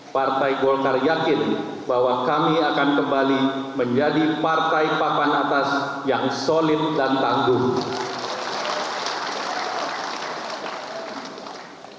partai golkar yakin bahwa kami akan kembali menjadi partai papan atas yang solid dan tangguh